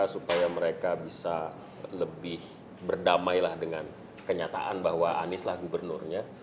supaya mereka bisa lebih berdamailah dengan kenyataan bahwa anieslah gubernurnya